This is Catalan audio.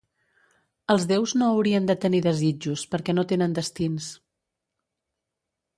Els déus no haurien de tenir desitjos perquè no tenen destins.